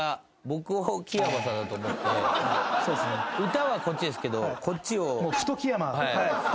歌はこっちですけどこっちを。